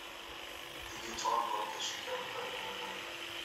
The guitar broke and she couldn't play anymore.